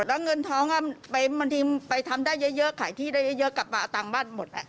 แล้วเงินท้องไปทำได้เยอะขายที่ได้เยอะกลับมาต่างบ้านหมด